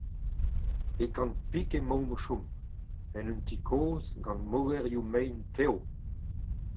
e Kantpig emaomp o chom, en un ti kozh gant mogerioù mein tev.